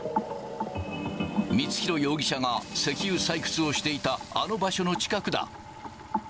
光弘容疑者が石油採掘をしていたあの場所の近くだ。